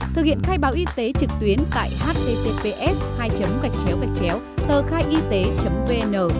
thực hiện khai báo y tế trực tuyến tại https hai gạch chéo gạch chéo tờ khai y tế vn